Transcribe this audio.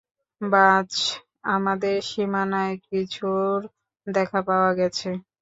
বায, আমাদের সীমানায় কিছুর দেখা পাওয়া গেছে।